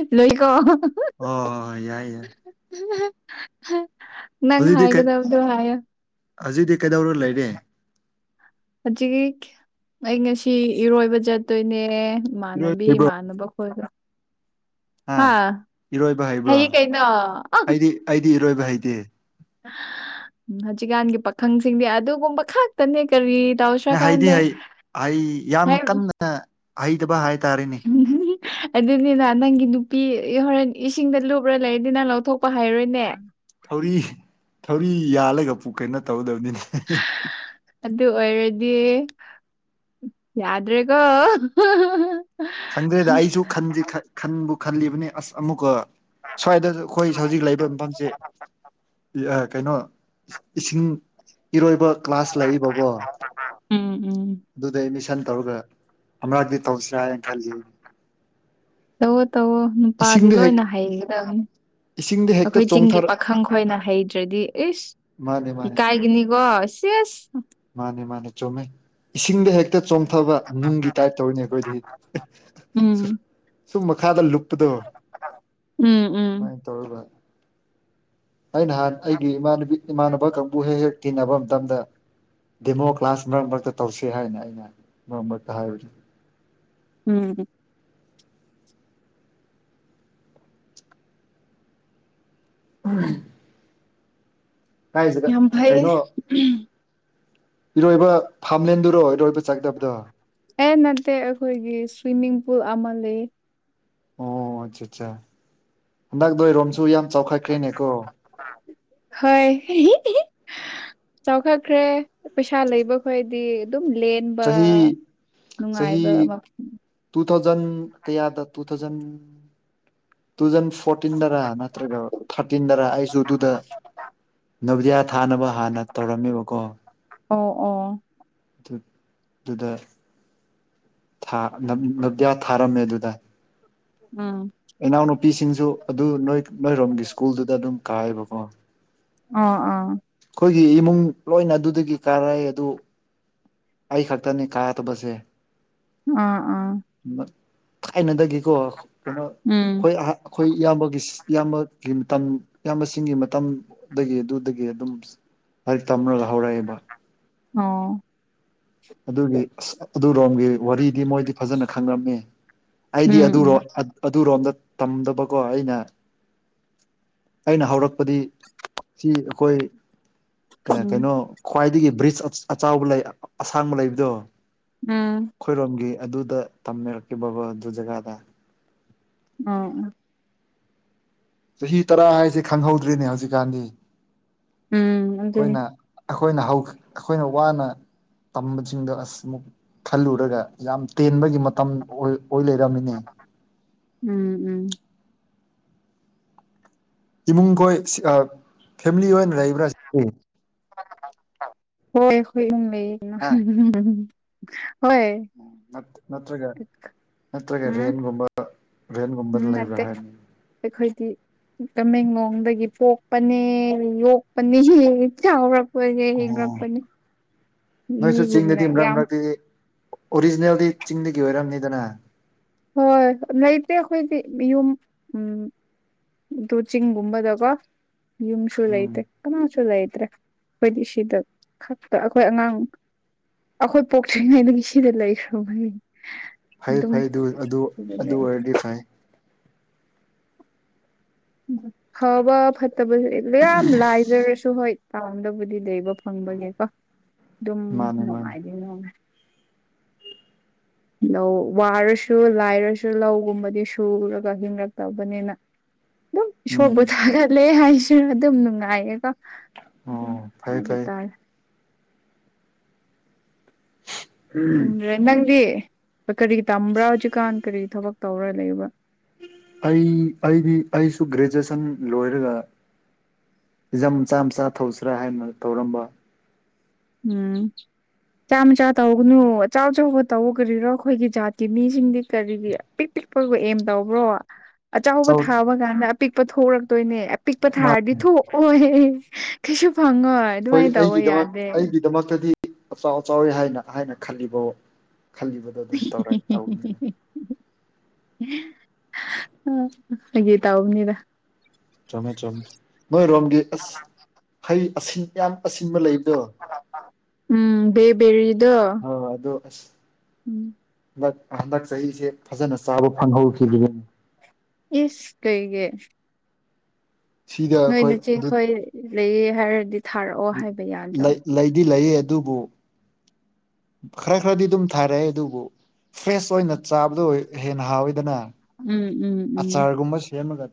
E ꯂꯣꯏꯀꯣ ꯑꯣ ꯍꯣꯏ ꯌꯥꯏ ꯌꯥꯏ [unintelligible] ꯅꯪ ꯍꯥꯏꯒꯗꯧꯗꯣ ꯍꯥꯏꯌꯣ ꯍꯧꯖꯤꯗꯤ ꯀꯩꯗꯧꯔ ꯂꯩꯔꯦ ꯍꯧꯖꯤꯛ ꯑꯩ ꯉꯁꯤ ꯏꯔꯣꯏꯕ ꯆꯠꯇꯣꯏꯅꯦ ꯏꯔꯣꯏ ꯃꯥꯅꯕꯤ ꯃꯥꯅꯅꯕ ꯈꯣꯏꯒ ꯍꯥ ꯏꯔꯣꯏꯕ ꯍꯩꯕ꯭ꯔꯣ ꯍꯩꯌꯦ ꯀꯩꯅꯣ ꯑꯩꯗꯤ ꯑꯩꯗꯤ ꯏꯔꯣꯏꯕ ꯍꯩꯇꯦ ꯍꯧꯖꯤꯛꯀꯥꯟꯒꯤ ꯄꯥꯈꯪꯁꯤꯡꯗꯤ ꯑꯗꯨꯒꯨꯝꯕ ꯈꯛꯇꯅꯦ ꯀꯔꯤ ꯇꯧꯁ ꯍꯩꯗꯤ ꯍꯩ ꯍꯩ ꯌꯥꯝ ꯀꯟꯅ ꯍꯩꯇꯕ ꯍꯥꯏꯇꯥꯔꯦꯟ [unintelligible] ꯑꯗꯨꯅꯤꯅ ꯅꯪꯒꯤ ꯅꯨꯄꯤ ꯏ ꯍꯣꯔꯦꯟ ꯏꯁꯤꯡꯗ ꯂꯨꯞꯂ ꯂꯩꯔꯗꯤ ꯅꯂꯧꯊꯣꯛꯄ ꯍꯥꯏꯔꯣꯏꯅꯦ ꯊꯧꯔꯤ ꯊꯧꯔꯤ ꯌꯥꯜꯂꯒ ꯄꯨꯛ ꯀꯩꯅ ꯇꯧꯒꯗꯕꯅꯤꯅꯦ ꯑꯗꯨ ꯑꯣꯏꯔꯗꯤ ꯌꯥꯗ꯭ꯔꯦꯒꯣ ꯁꯪꯗ꯭ꯔꯦꯗ ꯑꯩꯁꯨ ꯈꯟꯗꯤ ꯈꯟ ꯈꯟꯕꯨ ꯈꯜꯂꯤꯕꯅꯤ ꯑꯁ ꯑꯃꯨꯛꯀ ꯁ꯭ꯋꯥꯏꯗ ꯑꯩꯈꯣꯏ ꯍꯧꯖꯤꯛ ꯂꯩꯕ ꯃꯐꯝꯁꯦ ꯏꯌ ꯀꯩꯅꯣ ꯏꯁꯤꯡ ꯏꯔꯣꯏꯕ ꯀ꯭ꯂꯥꯁ ꯂꯩꯏꯕꯕꯣ ꯎꯝ ꯎꯝ ꯑꯗꯨꯗ ꯑꯦꯠꯃꯤꯁꯟ ꯇꯧꯔꯒ [unintelligible] ꯇꯧꯁꯤꯔ ꯍꯥꯏꯟ ꯈꯜ ꯇꯧꯑꯣ ꯇꯧꯋꯣ ꯅꯨꯄꯥꯗꯤ ꯏꯁꯤꯡꯗ ꯍꯦꯛ ꯂꯣꯏꯅ ꯍꯩꯒꯗꯝ ꯏꯁꯤꯡꯗ ꯍꯦꯛꯇ ꯑꯩꯈꯣꯏ ꯆꯤꯡꯒꯤ ꯆꯣꯡꯊꯔ ꯄꯥꯈꯪ ꯈꯣꯏꯅ ꯍꯩꯗ꯭ꯔꯗꯤ ꯏꯁ ꯃꯥꯅꯦ ꯃꯥꯅꯦ ꯀꯥꯏꯒꯤꯅꯤꯒꯣ ꯏꯁꯤꯁ ꯃꯥꯅꯦ ꯃꯥꯅꯦ ꯆꯨꯝꯃꯦ ꯏꯁꯤꯡꯗ ꯍꯦꯛꯇ ꯆꯣꯡꯊꯕ ꯅꯨꯡꯒꯤ ꯇꯥꯏꯞ ꯇꯧꯔꯤꯅꯦ ꯑꯩꯈꯣꯏꯗꯤ ꯎꯝ ꯁꯨꯝ ꯃꯈꯥꯗ ꯂꯨꯞꯄꯗꯣ ꯎꯝ ꯎꯝ ꯇꯧꯔꯤꯕ ꯑꯩ ꯅꯍꯥꯟ ꯑꯩꯒꯤ ꯏꯃꯥꯟꯅ ꯏꯃꯥꯟꯅꯕ ꯀꯥꯡꯕꯨ ꯍꯦꯛ ꯍꯦꯛ ꯇꯤꯟꯅꯕ ꯃꯇꯝꯗ ꯗꯦꯃꯣ ꯀ꯭ꯂꯥꯁ ꯃꯔꯛ ꯃꯔꯛꯇ ꯇꯧꯁꯤ ꯍꯥꯏꯅꯤ ꯑꯩꯅ ꯃꯔꯛ ꯃꯔꯛꯇ ꯍꯥꯏꯕꯅꯤ ꯎꯝ ꯎꯝ ꯌꯥꯝ ꯐꯥꯏ ꯀꯩꯅꯣ ꯏꯔꯣꯏꯕ ꯐꯥꯝꯂꯦꯟꯗꯨꯔꯣ ꯏꯔꯣꯏꯕ ꯆꯪꯗꯕꯗꯣ ꯑꯦ ꯅꯠꯇꯦ ꯑꯩꯈꯣꯏꯒꯤ ꯁꯨꯏꯃꯤꯡ ꯄꯨꯜ ꯑꯃꯥ ꯂꯩ ꯑꯣ ꯑꯠꯆꯥ ꯑꯠꯆꯥ ꯍꯟꯗꯛ ꯅꫭꯏꯔꯣꯝꯁꯨ ꯌꯥꯝ ꯆꯥꯎꯈꯠꯈ꯭ꯔꯦꯅꯦꯀꯣ ꯍꯣꯏ ꯆꯥꯎꯈꯠꯈ꯭ꯔꯦ ꯄꯩꯁꯥ ꯂꯩꯕ ꯈꯣꯏꯗꯤ ꯑꯗꯨꯝ ꯂꯦꯟꯕ ꯆꯍꯤ ꯆꯍꯤ ꯅꯨꯡꯉꯥꯏꯕ ꯃꯐꯝ ꯇꯨ ꯊꯥꯎꯖꯟ ꯀꯌꯥꯗ ꯇꯨ ꯊꯥꯎꯖꯟ ꯇꯨ ꯊꯥꯎꯖꯟ ꯐꯣꯔꯇꯤꯟꯗꯔ ꯅꯠꯇ꯭ꯔꯒꯥ ꯊꯥꯔꯇꯤꯟꯗꯔ ꯑꯩꯁꯨ ꯑꯗꯨꯗ ꯅꯕꫭꯗꯤꯌꯥ ꯊꯥꯅꯕ ꯍꯥꯟꯅ ꯇꯧꯔꯝꯃꯦꯕꯀꯣ ꯑꯣ ꯑꯣ ꯑꯗꯨ ꯑꯗꯨꯗ ꯊꯥ ꯅꫭꯕꫭꯗꯤꯌꯥ ꯊꯥꯔꯝꯃꯦ ꯑꯗꯨꯗ ꯎꯝ ꯏꯅꯥꯎꯅꯨꯄꯤꯁꯤꯡꯁꯨ ꯑꯗꯨ ꯅꯣꯏ ꯅꯣꯏꯔꯣꯝꯒꯤ ꯁ꯭ꯀꯨꯜꯗꯨꯗ ꯑꯗꯨꯝ ꯀꯥꯏꯕꯀꯣ ꯑꯥ ꯑꯥ ꯑꯩꯈꯣꯏꯒꯤ ꯏꯃꯨꯡ ꯂꯣꯏꯅ ꯑꯗꯨꯗꯒꯤ ꯀꯥꯔꯛꯏ ꯑꯗꯨ ꯑꯩ ꯈꯛꯇꯅꯤ ꯀꯥꯗꯕꯁꯦ ꯑꯥ ꯑꯥ ꯊꯥꯏꯅꯗꯒꯤꯀꯣ ꯀꯩꯅꯣ ꯎꯝ ꯑꯩꯈꯣꯏ ꯑꯍꯥ ꯑꯩꯈꯣꯏ ꯏꯌꯥꯝꯕꯒꯤ ꯏꯌꯥꯝꯕꯒꯤ ꯃꯇꯝ ꯏꯌꯥꯝꯕꯁꯤꯡꯒꯤ ꯃꯇꯝꯗꯒꯤ ꯑꯗꯨꯗꯒꯤ ꯑꯗꯨꯝ ꯍꯥꯏꯗꯤ ꯇꯝꯔꯒꯥ ꯍꯧꯔꯛꯑꯦꯕ ꯑꯣ ꯑꯗꯨꯒꯤ ꯑꯁ ꯑꯗꯨꯔꯣꯝꯒꯤ ꯋꯥꯔꯤꯗꯤ ꯃꯣꯏꯗꯤ ꯐꯖꯅ ꯈꯪꯔꯝꯃꯤ ꯑꯩꯗꯤ ꯎꯝ ꯎꯝ ꯑꯗꯨꯔꯣ ꯑꯗꯨꯔꯣꯝꯗ ꯇꯝꯗꯕꯀꯣ ꯑꯩꯅ ꯑꯩꯅ ꯍꯧꯔꯛꯄꯗꯤ ꯁꯤ ꯑꯩꯈꯣꯏ ꯎꯝ ꯀꯩꯅꯣ ꯈ꯭ꯋꯥꯏꯗꯒꯤ ꯕ꯭ꯔꯤꯖ ꯑꯆꯥꯎꯕ ꯂꯩ ꯑꯁꯥꯡꯕ ꯂꯩꯕꯗꯣ ꯎꯝ ꯑꯩꯈꯣꯏꯔꯣꯝꯒꯤ ꯑꯗꯨꯗ ꯇꯝꯃꯤꯔꯛꯀꯤꯕꯀꫭ ꯑꯗꯨ ꯖꯒꯥꯗ ꯎꯝ ꯆꯍꯤ ꯇꯔꯥ ꯍꯥꯏꯁꯦ ꯈꯪꯍꯧꯗ꯭ꯔꯤꯅꯦ ꯍꯧꯖꯤꯛꯀꯥꯟꯗꯤ ꯎꯝ ꯑꯗꯨꯅꯤ ꯑꯩꯈꯣꯏꯅ ꯑꯩꯈꯣꯏꯅ ꯍꯧ ꯑꯩꯈꯣꯏꯅ ꯋꯥꯅ ꯇꯝꯕꯁꯤꯡꯗꯣ ꯑꯁ ꯑꯃꯨꯛ ꯈꯜꯂꯨꯔꯒ ꯌꯥꯝ ꯇꯦꯟꯕꯒꯤ ꯃꯇꯝ ꯑꯣꯏ ꯑꯣꯏ ꯂꯩꯔꯝꯃꯤꯅꯤ ꯎꯝ ꯎꯝ ꯏꯃꯨꯡꯈꯣꯏ ꯁꯤ ꯑꯥ ꯐꯦꯃꯤꯂꯤ ꯂꫭꯏꯅ ꯂꯩꯕ꯭ꯔꯥ ꯁꯤꯗꯤ ꯍꯣꯏ ꯍꯣꯏ ꯂꯩ ꯍꯣꯏ ꯅꯠꯇ꯭ꯔꯒ ꯅꯠꯇ꯭ꯔꯒ ꯍꯨꯝ ꯔꯦꯟꯒꯨꯝꯕ ꯍꯨꯝ ꯔꯦꯟꯒꯨꯝꯕꯗ ꯂꯩꯕ꯭ꯔꯥ ꯅꯠꯇꯦ ꯍꯥꯏꯕꯅꯤ ꯑꯩꯈꯣꯏꯗꯤ ꯇꯃꯦꯡꯂꯣꯡꯗꯒꯤ ꯄꯣꯛꯄꯅꯦ ꯌꯣꯛꯄꯅꯦ ꯆꯥꯎꯔꯛ ꯄꯅ‌ꯦ ꯑꯣ ꯍꯤꯡꯔꯛꯄꯅꯤ ꯅꯣꯏꯁꯨ ꯃꯤꯒꯨꯝꯅ ꯆꯤꯡꯗꯗꯤ ꯃꯔꯛ ꯌꯥꯝ ꯃꯔꯛꯇꯗꯤ ꯑꯣꯔꯤꯖꯤꯅꯦꯜꯗꯤ ꯆꯤꯡꯗꯒꯤ ꯑꯣꯏꯔꯝꯅꯤꯗꯅ ꯍꯣꯏ ꯂꯩꯇꯦ ꯑꯩꯈꯣꯏꯗꯤ ꯃꯤꯌꯨꯝ ꯎꯝ ꯗꯨ ꯆꯤꯡꯒꯨꯝꯕꯗꯀꫭ ꯌꯝꯁꯨ ꯎꯝ ꯂꯩꯇ‌ꯦ ꯀꯅꯥꯁꯨ ꯂꯩꯇ꯭ꯔꯦ ꯑꯩꯈꯣꯏꯗꯤ ꯁꯤꯗ ꯈꯛꯇ ꯑꯩꯈꯣꯏ ꯑꯉꯥꯡ ꯑꯩꯈꯣꯏ ꯄꯣꯛꯇ꯭ꯔꯤꯉꯩꯗꯒꯤ ꯁꯤꯗ ꯂꯩꯈ꯭ꯔꯕꯅꯤ ꯐꯩ ꯐꯩ ꯑꯗꯨ ꯑꯗꯨ ꯑꯗꯨ ꯑꯣꯏꯔꯗꯤ ꯐꯩ ꯐꯕ ꯐꯠꯇꯕꯁꯤꯗꯤ ꯃꯥꯌꯥꯝ ꯂꯥꯏꯖꯔꯁꯨ ꯍꯣꯏ ꯄꯥꯝꯗꯕꯨꯗꯤ ꯂꯩꯕ ꯐꯪꯕꯅ‌ꯦꯀꯣ ꯑꯗꯨꯝ ꯃꯥꯅꯦ ꯃꯥꯅꯦ ꯅꯨꯡꯉꯥꯏꯗꯤ ꯅꯨꯡꯉꯥꯏ ꯂꯧ ꯋꯥꯔꯁꯨ ꯂꯥꯏꯔꯁꯨ ꯂꯧꯒꯨꯝꯕꯗꯤ ꯁꯨꯔꯒ ꯍꯤꯡꯡꯂꯛꯇꯕꯅꯤꯅ ꯑꯗꯨꯝ ꯎꯝ ꯏꯁꯣꯔꯕꯨ ꯊꯥꯒꯠꯂꯦ ꯍꯥꯏꯁꯤ ꯑꯗꯨꯝ ꯅꯨꯡꯉꯥꯏꯌꯦꯗꯥ ꯑꯣ ꯑꯗꯨꯅꯤ ꯐꯩ ꯉꯥꯏꯕꯥ ꯐꯩ ꯇꯥꯔ‌ꯦ ꯈꯪꯗ꯭ꯔꯦ ꯅꯪꯗꯤ ꯀꯔꯤ ꯇꯝꯕ꯭ꯔꯥ ꯍꯧꯖꯤꯛꯀꯥꯟ ꯀꯔꯤ ꯊꯕꯛ ꯇꯧꯔꯥ ꯂꯩꯕ꯭ꯔꯥ ꯑꯩ ꯑꯩꯗꯤ ꯑꯩꯁꯨ ꯒ꯭ꯔꯦꯖꯨꯑꯦꯁꯟ ꯂꯣꯏꯔꯒ ꯖꯝ ꯃꯆꯥ ꯃꯆꯥ ꯊꯧꯁꯤꯔꯥ ꯍꯥꯏꯅ ꯇꯧꯔꯝꯕ ꯎꯝ ꯃꯆꯥ ꯃꯆꯥ ꯇꯧꯒꯅꯨ ꯑꯆꯧ ꯑꯆꯧꯕ ꯇꯧꯕ ꯀꯔꯤꯔꯥ ꯑꯩꯈꯣꯏꯒꯤ ꯖꯥꯠꯀꯤ ꯃꯤꯁꯤꯡꯗꯤ ꯀꯔꯤꯒꯤ ꯄꯤꯛ ꯄꯤꯛꯄꯒ ꯑꯦꯝ ꯇꯧꯕ꯭ꯔꯣ ꯑꯆꯧꯕ ꯊꯥꯕ ꯀꯥꯟꯗ ꯑꯄꯤꯛꯄ ꯊꯣꯛꯔꯛꯇꯣꯏꯅꯦ ꯑꯄꯤꯛꯄ ꯊꯥꯔꯗꯤ ꯊꯣꯛ ꯑꯣꯍ [unintelligible] ꯀꯩꯁꯨ ꯐꯪꯉꫭꯏ ꯍꯣꯏ ꯑꯩꯒꯤꯗꯃꯛ ꯑꯩꯒꯤ ꯗꯃꯛꯇꯗꯤ ꯑꯆꯥꯎ ꯑꯆꯥꯎꯋꯤ ꯍꯥꯏꯅ ꯍꯥꯏꯅ ꯈꯜꯂꯤꯕ ꯈꯜꯂꯤꯕꯅꯤ ꯑꯗꯨꯝ ꯇꯧꯔ ꯇꯧꯅꯤ ꯐꯥꯒꯤ ꯇꯥꯎꯕꯅꯤꯗ ꯆꯨꯝꯃꯦ ꯆꯨꯝꯃꯦ ꯃꯣꯏ ꯔꯣꯝꯒ ꯑꯁ ꯍꯩ ꯑꯁꯤꯟ ꯌꯥꯝ ꯑꯁꯤꯟꯕ ꯂꯩꯕꯗꯣ ꯎꯝ ꯕ‌ꯦ ꯕ‌ꯦꯔꯤꯗꯣ ꯑ ꯑꯗꯣ ꯑꯁ ꯎꯝ ꯍꯟꯗꯛ ꯍꯟꯗꯛ ꯆꯍꯤꯁꯦ ꯐꯖꯅ ꯆꯥꯕ ꯐꯪꯍꯧꯈꯤꯗ꯭ꯔꯤꯌ‌ꯦ ꯏꯁ ꯀꯩꯒꯤ ꯁꯤꯗ ꯅꯣꯏ ꯑꯩꯈꯣꯏ ꯑꯗꯨ ꯅꯆꯦꯈꯣꯏ ꯂꯩꯌꯦ ꯍꯥꯏꯔꯗꯤ ꯊꯥꯔꯛꯑꯣ ꯍꯥꯏꯕ ꯌꯥꯗ꯭ꯔꯣ ꯂꯩ ꯂꯩꯗꯤ ꯂꯩꯌꯦ ꯑꯗꯨꯕꯨ ꯈꯔ ꯈꯔꯗꯤ ꯑꯗꯨꯝ ꯊꯥꯔꯛꯑꯦ ꯑꯗꯨꯕꯨ ꯐ꯭ꯔꯦꯁ ꯑꯣꯏꯅ ꯆꯥꯕꯗꯣ ꯍꯦꯟꯅ ꯍꯥꯎꯋꯤꯗꯅ ꯎꯝ ꯎꯝ ꯎꯝ ꯑꯆꯥꯔꯒꯨꯝꯕ ꯁꯦꯝꯃꯒ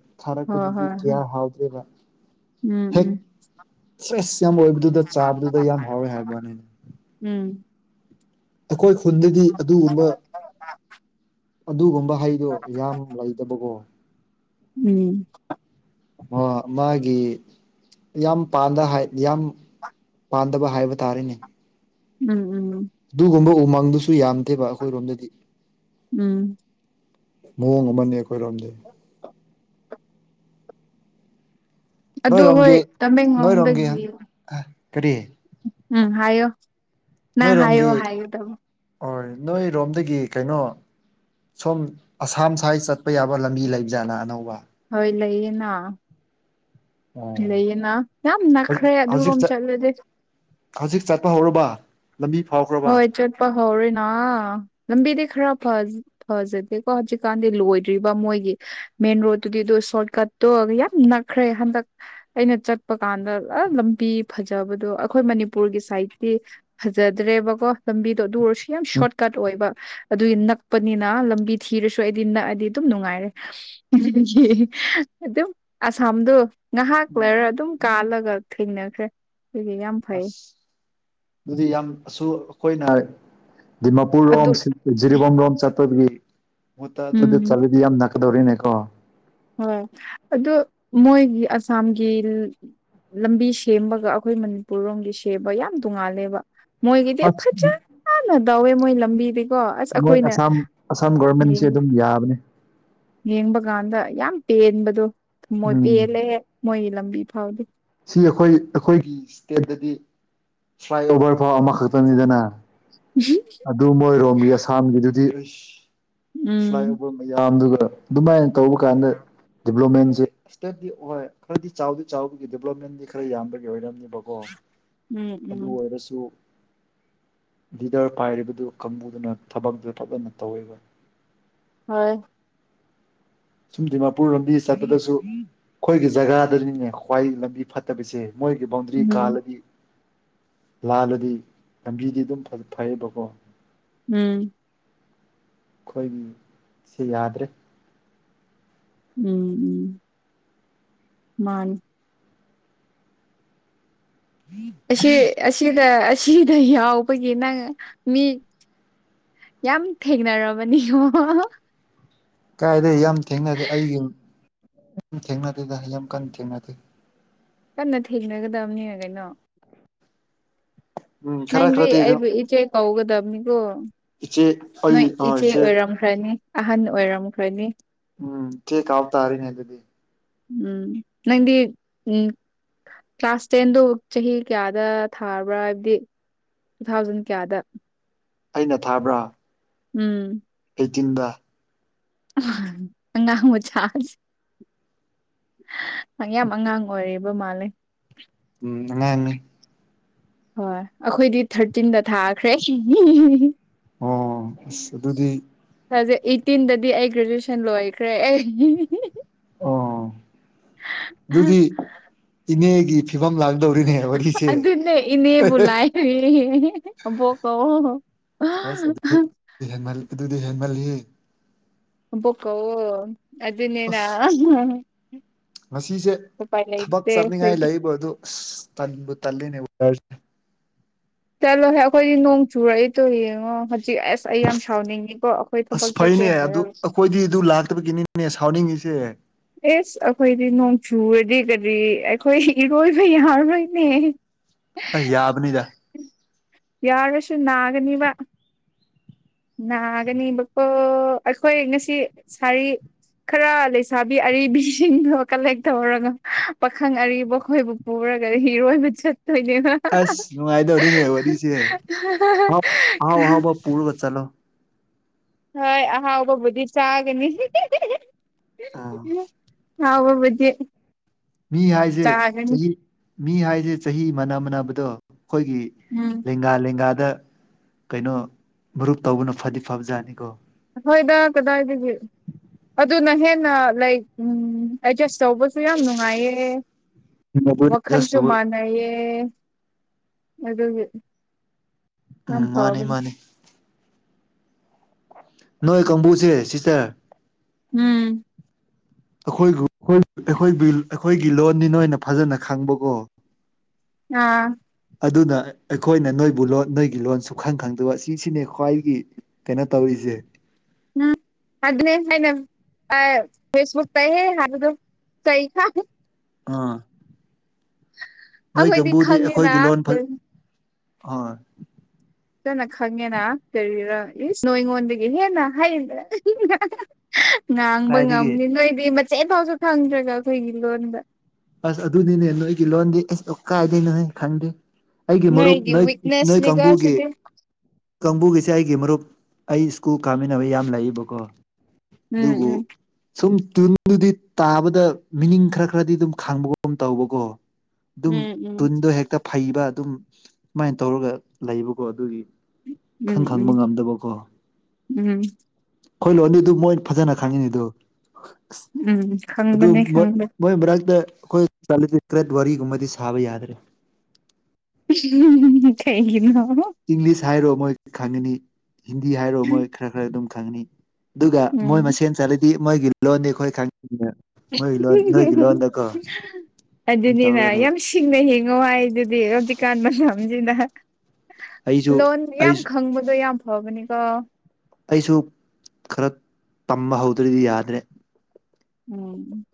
ꯍꯣꯏ ꯊꯥꯔꯛꯄꯗꯨꯗꯤ ꯍꯣꯏ ꯀꯌꯥ ꯍꯣꯏ ꯍꯥꯎꯇ‌ꯦꯕ ꯎꯝ ꯍꯦꯛ ꯎꯝ ꯁꯁ [unintelligible] ꯌꯥꯝ ꯑꯣꯏꯕꯗꯨꯗ ꯆꯥꯕꯗꯨꯗ ꯌꯥꯝ ꯍꯥꯎꯋꯦ ꯍꯥꯏꯕꯩ ꯋꯥꯅꯦ ꯎꯝ ꯑꯩꯈꯣꯏ ꯈꯨꯟꯗꯗꯤ ꯑꯗꯨꯒꯨꯝꯕ ꯑꯗꯨꯒꯨꯝꯕ ꯍꯩꯗꯣ ꯌꯥꯝ ꯂꯩꯇꯕꯀꯣ ꯎꯝ ꯑꯣ ꯃꯥꯒꯤ ꯌꯥꯝ ꯄꯥꯟꯗ ꯍꯥꯏ ꯌꯥꯝ ꯄꯥꯟꯗꯕ ꯍꯥꯏꯕ ꯇꯥꯔꯦꯅꯦ ꯎꯝ ꯎꯝ ꯑꯗꯨꯒꯨꯝꯕ ꯎꯃꯪꯗꯨꯁꯨ ꯌꯥꯝꯗꯦꯕ ꯑꯩꯈꯣꯏꯔꯣꯝꯗꯗꯤ ꯎꯝ ꯃꯑꯣꯡ ꯑꯃꯅꯤ ꯑꯩꯈꯣꯏꯔꯣꯝꯗꯤ ꯑꯣ [inaudible] ꯑꯗꯨ ꯍꯣꯏ ꯅꯣꯏꯔꯣꯝꯒꯤ ꯅꯣꯏꯔꯣꯝꯒꯤ ꯇꯃꯦꯡꯂꯣꯡꯗꯒꯤ ꯀꯔꯤ ꯎꯝ ꯍꯥꯏꯌꯣ ꯅꯪ ꯍꯥꯏꯌꯣ ꯅꯣꯏꯔꯣꯝꯒꯤ ꯍꯥꯏꯒꯗꯕ ꯍꫭꯏ ꯅꯣꯏꯔꯣꯝꯗꯒꯤ ꯀꯩꯅꯣ ꯁꯣꯝ ꯑꯁꯥꯝ ꯁ꯭ꯋꯥꯏ ꯆꯠꯄ ꯌꯥꯕ ꯂꯝꯕꯤ ꯂꯩꯕꯖꯥꯠꯂꯥ ꯑꯅꯧꯕ ꯍꯣꯏ ꯂꯩꯌꯦꯅꯥ ꯑꯣ ꯂꯩꯌꯦꯅ ꯌꯥꯝ ꯅꯛꯈ꯭ꯔꯦ ꯍꯧꯖꯤꯛ ꯑꯗꯨꯔꯣꯝ ꯆꯠꯂꯗꯤ ꯍꯧꯖꯤꯛ ꯆꯠꯄ ꯍꯧꯔꯕ ꯂꯝꯕꯤ ꯐꯥꯎꯈ꯭ꯔ ꯍꯣꯏ ꯆꯠꯄ ꯍꯧꯔꯦꯅꯥ ꯂꯝꯕꯤꯗꯤ ꯈꯔ ꯐ ꯐꯖꯗꯦꯀꯣ ꯍꯧꯖꯤꯛꯀꯥꯟꯗꯤ ꯂꯣꯏꯗ꯭ꯔꯤꯕ ꯃꯣꯏꯒꯤ ꯃꯦꯟ ꯔꯣꯗꯠꯇꯨꯗꯤꯗꯣ ꯁꯣꯔꯠ ꯀꯠꯇꯣ ꯌꯥꯝ ꯅꯛꯈ꯭ꯔꯦ ꯍꯟꯗꯛ ꯑꯩꯅ ꯆꯠꯄ ꯀꯥꯟꯗ ꯑꯥ ꯂꯝꯕꯤ ꯐꯖꯕꯗꯣ ꯑꯩꯈꯣꯏ ꯃꯅꯤꯄꯨꯔꯒꯤ ꯁꯏꯇꯤ ꯐꯖꯗ꯭ꯔꯦꯕꯀꯣ ꯂꯝꯕꯤꯗꯣ ꯑꯗꯨ ꯑꯣꯏꯔꯁꯨ ꯌꯥꯝ ꯁꯣꯔꯠꯀꯠ ꯑꯣꯏꯕ ꯑꯗꯨꯏ ꯅꯛꯄꯅꯤꯅ ꯂꯝꯕꯤ ꯊꯤꯔꯁꯨ ꯑꯩꯗꯤ ꯅꯛꯑꯗꯤ ꯑꯗꯨꯝ ꯅꯨꯡꯉꯥꯏꯔꯦ [unintelligible] ꯑꯗꯨꯝ ꯑꯁꯥꯝꯗꯣ ꯉꯥꯏꯍꯥꯛ ꯂꯩꯔ ꯑꯗꯨꯝ ꯀꯥꯜꯂꯒ ꯊꯦꯡꯅꯈ꯭ꯔꯦ ꯑꯩꯒ ꯌꯥꯝ ꯐꯩ ꯑꯁ ꯑꯗꯨꯗꯤ ꯌꯥꯝ ꯑꯁꯨ ꯑꯩꯈꯣꯏꯅ ꯗꯤꯃꯄꯨꯔ ꯑꯗꯨ ꯔꯣꯝ ꯖꯤꯔꯤꯕꯥꯝ ꯔꯣꯝ ꯆꯠꯄꯒꯤ ꯃꯨꯠꯇ ꯑꯗꯨꯗ ꯎꯝ ꯆꯠꯂꯗꯤ ꯌꯥꯝ ꯅꯛꯀꯗꯧꯔꯤꯅꯦꯀꯣ ꯍꯣꯏ ꯑꯗꯨ ꯃꯣꯏꯒꯤ ꯑꯁꯥꯝꯒꯤ ꯂꯝꯕꯤ ꯁꯦꯝꯕꯒ ꯑꯩꯈꯣꯏ ꯃꯅꯤꯄꯨꯔ ꯂꯣꯝꯒꯤ ꯁꯦꯝꯕ ꯌꯥꯝ ꯇꯣꯡꯉꯥꯜꯂꯦꯕ ꯃꯣꯏꯒꯤꯗꯤ ꯑꯁ ꯐꯖ ꯐꯥꯟꯅ ꯇꯧꯋꯦ ꯃꯣꯏ ꯂꯝꯕꯤꯗꯒꯤ ꯃꯣꯏ ꯑꯁꯥꯝ ꯑꯁꯥꯝ ꯒꯣꯔꯃꯦꯟꯁꯦ ꯑꯗꯨꯝ ꯌꯥꯕꯅꯦ ꯌꯦꯡꯕ ꯀꯥꯟꯗ ꯌꯥꯝ ꯄꯦꯟꯕꯗꯣ ꯊꯃꯣꯏ ꯎꯝ ꯄꯦꯜꯂꯦꯍꯦ ꯃꯣꯏꯒꯤ ꯂꯝꯕꯤ ꯐꯥꯎꯗꯤ ꯁꯤ ꯑꯩꯈꯣꯏ ꯑꯩꯈꯣꯏꯒꯤ ꯏꯁꯇꯦꯠꯇꯗꯤ ꯐ꯭ꯂꯥꯏ ꯑꯣꯚꯔ ꯐꯥꯎ ꯑꯃꯈꯛꯇꯅꯤꯗꯅ [unintelligible] ꯑꯗꯨ ꯃꯣꯏꯔꯣꯝꯒꯤ ꯑꯁꯥꯝꯒꯤꯗꯨꯗꯤ ꯎꯝ ꯃꯌꯥꯝꯗꯨꯒ ꯑꯗꯨꯃꯥꯏꯅ ꯇꯧꯕ ꯀꯥꯟꯗ ꯗꯗꯤꯕꯂꯞꯃꯦꯟꯁꯦ ꯏꯁꯇꯦꯗꯤ ꯑꯣꯏ ꯈꯔꯗꯤ ꯆꯥꯎꯗꯤ ꯆꯥꯎ ꯗꯦꯕꯂꯞꯃꯦꯟꯗꯤ ꯈꯔ ꯌꯥꯝꯕꯒꯤ ꯑꯣꯏꯔꯝꯅꯦꯕꯀꯣ ꯎꯝ ꯑꯗꯨ ꯎꯝ ꯑꯣꯏꯔꯁꯨ ꯂꯤꯗꯤꯗꯔ ꯄꯥꯏꯔꯤꯕꯗꯨ ꯀꯥꯡꯕꯨꯗꯨꯅ ꯊꯕꯛꯇꯨ ꯐꯞꯖꯅ ꯇꯧꯋꯦꯕ ꯍꯣꯏ ꯁꯨꯝ ꯗꯤꯃꯥꯄꯨꯔ ꯂꯝꯕꯤ ꯆꯠꯄꯗꯁꯨ ꯑꯩꯈꯣꯏꯒꯤ ꯖꯒꯥꯗꯅꯤꯅꯦ ꯈ꯭ꯋꯥꯏ ꯂꯝꯕꯤ ꯐꯠꯇꯕꯁꯦ ꯃꯣꯏꯒꯤ ꯕꯥꯎꯟꯗ꯭ꯔꯤ ꯎꯝ ꯀꯥꯜꯂꯗꯤ ꯂꯥꯜꯂꯗꯤ ꯂꯝꯕꯤꯗꯤ ꯑꯗꯨꯝ ꯐ ꯐꯩꯌꯦꯕꯀꯣ ꯎꯝ ꯑꯩꯈꯣꯏꯒꯤ ꯁꯤ ꯌꯥꯗ꯭ꯔꯦ ꯎꯝ ꯎꯝ ꯃꯥꯅꯤ [inaudible] ꯑꯁꯤ ꯑꯁꯤꯗ ꯑꯁꯤꯗ ꯌꯥꯎꯕꯒꯤ ꯅꯪ ꯃꯤ ꯌꯥꯝ ꯊꯦꯡꯅꯔꯕꯅꯤꯉ ꯀꯥꯏꯗꯩ ꯌꯥꯝ ꯊꯦꯡꯅꯗꯦ ꯑꯩꯒꯤ ꯊꯦꯡꯅꯗꯦꯗ ꯌꯥꯝ ꯀꯟꯅ ꯊꯦꯡꯅꯗꯦ ꯀꯟꯅ ꯊꯦꯡꯅꯒꯗꯕꯅꯤ ꯀꯩꯅꯣ ꯎꯝ ꯈꯔ ꯅꯪꯗꯤ ꯈꯔꯗꯤ ꯑꯗꯨꯝ ꯑꯩꯕꯨ ꯏꯆꯦ ꯀꯥꯎꯒꯗꯝꯅꯤꯒꯣ ꯏꯆꯦ ꯑꯩ ꯑ ꯏꯆꯦ ꯔꯅꯤ ꯑꯍꯟ ꯑꯣꯏꯔꯝꯈ꯭ꯔꯅꯤ ꯎꯝ ꯊꯤꯀꯥꯎ ꯇꯥꯔꯤꯅꯦ ꯑꯗꯨꯗꯤ ꯎꯝ ꯅꯪꯗꯤ ꯎꯝ ꯀ꯭ꯂꯥꯁ ꯇꯦꯟꯗꯨ ꯆꯍꯤ ꯀꯌꯥꯗ ꯊꯥꯔꯕ꯭ꯔꯥ ꯍꯥꯏꯕꯗꯤ ꯇꯨ ꯊꯥꯎꯖꯟ ꯀꯌꯥꯗ ꯑꯩꯅ ꯊꯥꯕ꯭ꯔꯥ ꯎꯝ ꯑꯦꯇꯤꯟꯗ ꯑꯉꯥꯡ ꯑꯉꯥꯡ ꯃꯆꯥ ꯅꯪ ꯌꯥꯝ ꯑꯉꯥꯡ ꯑꯣꯏꯔꯤꯞ ꯕꯥ ꯃꯥꯂꯦ ꯎꯝ ꯑꯉꯥꯡꯅꯤ ꯍꯣꯏ ꯑꯈꯣꯏꯗꯤ ꯊꯥꯔꯇꯤꯟꯗ ꯊꯥꯈ꯭ꯔꯦ ꯑꯣ ꯑꯁ ꯑꯗꯨꯗꯤ ꯊꯥꯎꯖ ꯑꯩꯠꯇꯤꯟꯗꯥꯗꯤ ꯑꯩ ꯒ꯭ꯔꯦꯖꯨꯑꯦꯁꯟ ꯂꯣꯏꯈ꯭ꯔꯦ ꯑꯩ ꯑꯣ ꯗꯨꯗꯤ ꯏꯅꯦꯒꯤ ꯐꯤꯕꯝ ꯂꯥꯛꯗꯧꯔꯤ ꯑꯗꯨꯅꯦ ꯏꯅꯦꯕꯨ ꯂꯥꯏ ꯑꯕꯣꯛ ꯀꯧꯋꯣ ꯑꯦꯁ ꯑꯗꯨꯗꯤ ꯍꯦꯟꯃꯜ ꯑꯗꯨꯗꯤ ꯍꯦꯟꯃꯜꯂꯤꯍꯦ ꯑꯕꯣꯛ ꯀꯧꯋꯣ ꯑꯗꯨꯅꯦꯅꯥ ꯑꯁ ꯉꯁꯤꯁꯦ ꯊꯕꯛ ꯆꯠꯅꯤꯡꯉꯥꯏ ꯂꯩꯕ ꯑꯗꯨ ꯑꯁ ꯇꯟꯕꯨ ꯇꯜꯂꯤꯅꯦ [unintelligible] ꯆꯠꯂꯣꯍꯦ ꯑꯈꯣꯏꯗꯤ ꯅꯣꯡ ꯆꯨꯔꯛꯏꯗꯣ ꯌꯦꯡꯉꯣ ꯍꯧꯖꯤꯛ ꯑꯁ ꯑꯩ ꯌꯥꯝ ꯁꯥꯎꯅꯤꯡꯉꯤꯀꯣ ꯊꯕꯛ ꯑꯁ ꯆꯠꯀꯦ ꯐꯩꯅꯦ ꯑꯗꯨ ꯍꯥꯏꯔꯒ ꯑꯈꯣꯏꯗꯤ ꯑꯗꯨ ꯂꯥꯛꯇꯥꯕꯒꯤꯅꯤꯅꯦ ꯁꯥꯎꯅꯤꯡꯉꯤꯁꯦ ꯑꯦꯁ ꯑꯩꯈꯣꯏꯗꯤ ꯅꯣꯡ ꯆꯨꯔꯗꯤ ꯀꯔꯤ ꯑꯩꯈꯣꯏ ꯏꯔꯣꯏꯕ ꯌꯥꯔꯣꯏꯅꯦ [inaudible] ꯑꯩ ꯌꯥꯕꯅꯤꯗ ꯌꯥꯔꯥꯁꯨ ꯅꯥꯒꯅꯤꯕ ꯅꯥꯒꯅꯤꯕꯀꯣ ꯑꯩꯈꯣꯏ ꯉꯁꯤ ꯁꯥꯔꯤ ꯈꯔ ꯂꯩꯁꯥꯕꯤ ꯑꯔꯤꯕꯤꯁꯤꯡꯗꯣ ꯀꯂꯦꯛ ꯇꯧꯔꯒꯥ ꯄꯥꯈꯪ ꯑꯔꯤꯕꯈꯣꯏꯕꯨ ꯄꯨꯔꯒꯥ ꯏꯔꯣꯏꯕ ꯆꯠꯇꯣꯏꯅꯦ ꯑꯁ ꯅꯨꯡꯉꯥꯏꯗꯧꯔꯤꯅꯦ ꯋꯥꯔꯤꯁꯦ ꯍꯥꯎ ꯑꯍꯥꯎ ꯈꯔ ꯑꯍꯥꯎꯕ ꯄꯨꯔꯒꯥ ꯆꯜꯂꯣ ꯍꯣꯏ ꯑꯍꯥꯎꯕꯕꯨꯗꯤ ꯆꯥꯒꯅꯤ ꯑꯥ ꯍꯥꯎꯕꯕꯨꯗꯤ ꯃꯤ ꯍꯥꯏꯖꯦ ꯆꯍꯤ ꯃꯤ ꯍꯥꯏꯖꯦ ꯆꯍꯤ ꯃꯅꯥ ꯃꯥꯟꯅꯕꯗꯣ ꯈꯣꯏꯒꯤ ꯎꯝ ꯂꯦꯡꯒꯥ ꯂꯦꯡꯒꯥꯗ ꯀꯩꯅꯣ ꯃꯔꯨꯞ ꯇꯧꯕꯅ ꯐꯗꯤ ꯐꯥꯕ ꯖꯥꯠꯅꯤꯀꯣ ꯑꯈꯣꯏꯗ ꯀꯗꯥꯏꯗꯒꯤ ꯑꯗꯨꯅ ꯍꯦꯟꯅ ꯂꯩ ꯎꯝ ꯑꯦꯗꯖꯁ ꯇꯧꯕ ꯁꯨꯨ ꯌꯥꯝ ꯅꯨꯡꯉꯥꯏꯌꯦ ꯖꯁ ꯋꯥꯈꯜꯁꯨ ꯇꯧꯕ ꯃꯥꯟ ꯅꯩꯌꯦ ꯑꯗꯨꯒꯤ ꯎꯝ ꯌꯥꯝ ꯃꯥꯅꯤ ꯐꯕꯅꯤ ꯃꯥꯅꯤ ꯅꯣꯏ ꯀꯥꯡꯕꯨꯁꯦ ꯁꯤꯁꯇꯔ ꯎꯝ ꯑꯈꯣꯏꯒꯨ ꯈꯣꯏ ꯑꯩꯈꯣꯏ ꯕꯤꯜ ꯑꯩꯈꯣꯏꯒꯤ ꯂꯣꯟꯗꯤ ꯅꯣꯏꯅ ꯐꯖꯅ ꯈꯪꯕꯀꯣ ꯑꯥ ꯑꯗꯨꯅ ꯑꯩꯈꯣꯏꯅ ꯅꯣꯏꯕꯨ ꯂꯣꯟ ꯅꯣꯏꯒꯤ ꯂꯣꯟ ꯁꯨꯈꯪ ꯈꯪꯗꯕ ꯁꯤꯁꯤꯅꯦ ꯈ꯭ꯋꯥꯏꯒꯤ ꯀꯩꯅꯣ ꯇꯧꯔꯤꯖꯦ ꯎꯝ ꯑꯗꯨꯅꯦ ꯍꯥꯏꯅ ꯑꯥ ꯐꯦꯁꯕꯨꯛꯇꯥ ꯍꯦ ꯍꯥꯏꯕꯗꯨ ꯀꯩ [unintelligible] ꯑꯥ ꯅꯣꯏ ꯑꯩꯈꯣꯏꯗꯤ ꯀꯥꯡꯕꯨꯗꯤ ꯈꯪꯉꯦꯅ ꯑꯩꯈꯣꯏꯒꯤ ꯂꯣꯟ ꯐꯥ ꯐꯖꯅ ꯍꯣꯏ ꯐꯖꯅ ꯈꯪꯉꯦꯅ ꯀꯔꯤꯔꯥ ꯏꯁ ꯅꯣꯏꯉꯣꯟꯗꯒꯤ ꯍꯦꯟꯅ ꯍꯩ ꯉꯥꯡꯕ ꯀꯥꯏꯗꯒꯤ ꯉꯝꯅꯤ ꯅꯣꯏꯗꯤ ꯃꯆꯦꯠ ꯐꯥꯎꯁꯨ ꯈꯪꯗ꯭ꯔꯒ ꯑꯈꯣꯏꯒꯤ ꯂꯣꯟꯗ ꯑꯁ ꯑꯗꯨꯅꯤꯅꯦ ꯅꯣꯏꯒꯤ ꯂꯣꯟꯗꯤ ꯏꯁ ꯑꯣ ꯀꯥꯏꯗꯦ ꯅꯣ ꯍꯦ ꯈꯪꯗꯦ ꯑꯩꯒꯤ ꯃꯔꯨꯞ ꯅꯣꯏꯒꯤ ꯅꯣꯏ ꯅꯣꯏ ꯋꯤꯛꯅꯦꯁꯅꯤꯀꯣ ꯀꯥꯡꯕꯨꯒꯤ ꯁꯤꯗꯤ ꯀꯥꯡꯕꯨꯒꯤꯁꯦ ꯑꯩꯒꯤ ꯃꯔꯨꯞ ꯑꯩ ꯁ꯭ꯀꯨꯜ ꯀꯥꯃꯤꯟꯅꯕ ꯌꯥꯝ ꯂꯩꯏꯕꯀꯣ꯫ ꯎꯝ ꯑꯗꯨꯕꯨ ꯎꯝ ꯁꯨꯝ ꯇꯨꯟꯗꯨꯗꯤ ꯇꯥꯕꯗ ꯃꯤꯅꯤꯡ ꯈꯔ ꯈꯔꯗꯤ ꯑꯗꯨꯝ ꯈꯪꯕꯒꯨꯝ ꯇꯧꯕꯀꯣ ꯑꯗꯨꯝ ꯎꯝ ꯇꯨꯟꯗꯣ ꯍꯦꯛꯇ ꯐꯩꯕ ꯑꯗꯨꯝ ꯃꯥꯏꯅ ꯇꯧꯔꯒ ꯂꯩꯕꯀꯣ ꯑꯗꯨꯒꯤ ꯎꯝ ꯈꯪ ꯈꯪꯕ ꯎꯝ ꯉꯝꯗꯕꯀꯣ ꯎꯝ ꯎꯝ ꯈꯣꯏ ꯂꯣꯟꯗꯤ ꯑꯗꯨ ꯃꯣꯏ ꯐꯖꯅ ꯈꯪꯉꯤꯅꯤ ꯑꯗꯨ ꯑꯁ ꯎꯝ ꯑꯗꯨ ꯈꯪꯕꯅꯦ ꯃꯣꯏ ꯈꯪꯕꯅꯦ ꯃꯣꯏ ꯃꯔꯛꯇ ꯑꯈꯣꯏ ꯆꯠꯂꯗꯤ ꯀ꯭ꯔꯦꯠ ꯋꯥꯔꯤꯒꯨꯝꯕꯗꯤ ꯁꯥꯕ ꯌꯥꯗ꯭ꯔꯦ꯫ ꯀꯩꯒꯤꯅꯦ ꯏꯪꯂꯤꯁ ꯍꯥꯏꯔꯣ ꯃꯣꯏ ꯈꯪꯉꯅꯤ ꯍꯤꯟꯗꯤ ꯍꯥꯏꯔꯣ ꯃꯣꯏ ꯈꯔ ꯈꯔ ꯑꯗꯨꯝ ꯈꯪꯉꯅꯤ꯫ ꯑꯗꯨꯒ ꯃꯣꯏ ꯎꯝ ꯃꯁꯦꯟ ꯆꯠꯂꯗꯤ ꯃꯣꯏꯒꯤ ꯂꯣꯟꯗꯤ ꯑꯈꯣꯏ ꯈꯪ [unintelligible] ꯑꯗꯨꯝ ꯑꯗꯨꯅꯤꯅ ꯇꯧꯔꯒ ꯂꯩ ꯌꯥꯝꯁꯤ ꯁꯤꯡꯅ ꯍꯤꯡꯉꯣ ꯍꯥꯏꯗꯨꯗꯤ ꯍꯧꯖꯤꯛꯀꯥꯟ ꯃꯅꯝꯁꯤꯗ ꯑꯩꯁꯨ ꯂꯣꯟ ꯌꯥꯝ ꯑꯩꯁꯨ ꯈꯪꯕꯗꯣ ꯌꯥꯝ ꯐꯕꯅꯤꯀꯣ ꯑꯩꯁꯨ ꯈꯔ ꯇꯝꯕ ꯍꯧꯗ꯭ꯔꯗꯤ ꯌꯥꯗ꯭ꯔꯦ ꯎꯝ